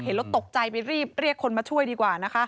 เราตกใจไปรีบเรียกคนมาช่วยดีกว่านะคะ